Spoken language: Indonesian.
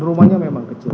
rumahnya memang kecil